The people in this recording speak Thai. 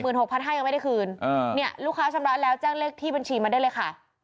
แต่๐๖๕๐๐บาทยังไม่ได้คืนนี่ลูกค้าชำระแล้วแจ้งเลขที่บัญชีมาได้เลย